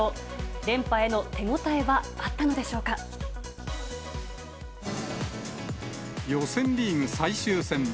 連覇への手応えはあったのでしょ予選リーグ最終戦。